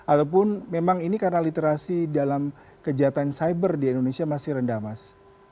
ataupun memang ini karena literasi dalam kejahatan cyber di indonesia masih rendah mas